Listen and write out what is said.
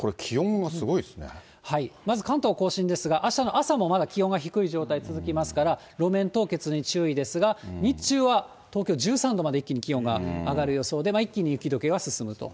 はい、まず関東甲信ですが、あしたの朝もまだ気温が低い状態続きますから、路面凍結に注意ですが、日中は、東京１３度まで一気に気温が上がる予想で、一気に雪どけが進むと。